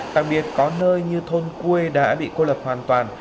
đặc biệt có nơi như thôn cuôi đã bị cô lập hoàn toàn